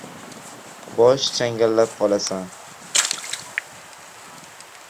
Bosh changallab qolasan: